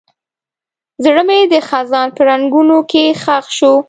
زړه مې د خزان په رنګونو کې ښخ شو.